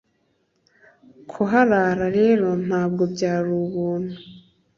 kuharara rero ntabwo byari ubuntu